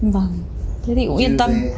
vâng thế thì cũng yên tâm